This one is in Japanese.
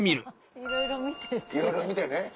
いろいろ見てね。